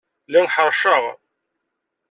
Lliɣ ḥeṛceɣ.